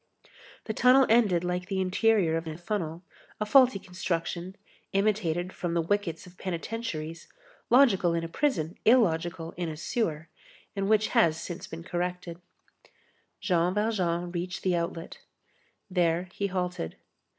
The tunnel ended like the interior of a funnel; a faulty construction, imitated from the wickets of penitentiaries, logical in a prison, illogical in a sewer, and which has since been corrected. Jean Valjean reached the outlet. There he halted.